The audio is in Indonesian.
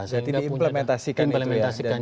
sehingga punya implementasikan